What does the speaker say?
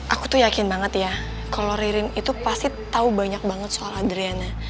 aku tuh yakin banget ya kalau ririn itu pasti tahu banyak banget soal adriana